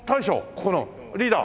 ここのリーダー？